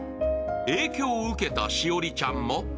影響を受けた栞里ちゃんも。